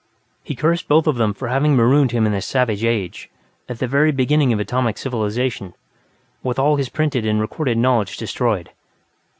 He cursed both of them for having marooned him in this savage age, at the very beginning of atomic civilization, with all his printed and recorded knowledge destroyed.